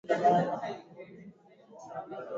Mfumuko wa bei wa kila mwaka ulifikia saba.